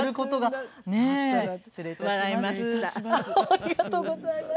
ありがとうございます。